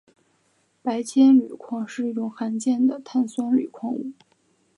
白铅铝矿是一种罕见的碳酸铝矿物。